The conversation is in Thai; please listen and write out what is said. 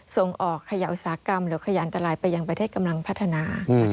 ส่งออกเขย่าอุตสาหกรรมหรือขยันตรายไปยังประเทศกำลังพัฒนา